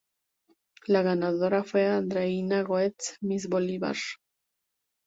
La ganadora fue Andreína Goetz, Miss Bolívar.